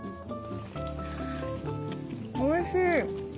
おいしい！